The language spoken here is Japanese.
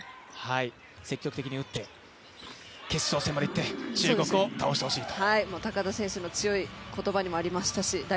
積極的に打って、決勝戦まで行って中国を倒してほしいと。